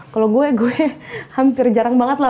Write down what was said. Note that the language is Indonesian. kalau gue gue hampir jarang banget lah